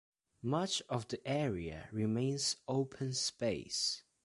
Much of the area remains open space.